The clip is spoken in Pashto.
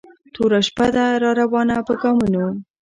توره شپه ده را روانه په ګامونو